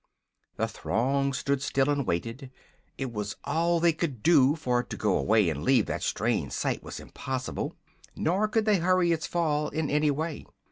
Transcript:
The throng stood still and waited. It was all they could do, for to go away and leave that strange sight was impossible; nor could they hurry its fall in any way.